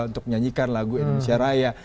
untuk menyanyikan lagu indonesia raya